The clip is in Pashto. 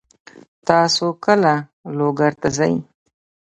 تاسو کله لوګر ته ځئ؟